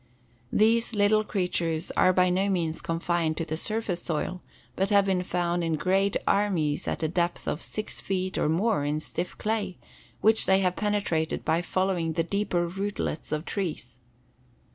These little creatures are by no means confined to the surface soil, but have been found in great armies at a depth of six feet or more in stiff clay, which they have penetrated by following the deeper rootlets of trees.